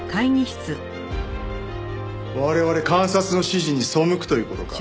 我々監察の指示に背くという事か？